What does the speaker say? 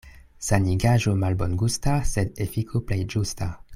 Sanigaĵo malbongusta, sed efiko plej ĝusta.